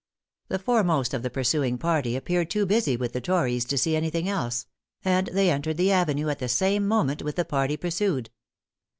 The foremost of the pursuing party appeared too busy with the tories to see any thing else; and they entered the avenue at the same moment with the party pursued.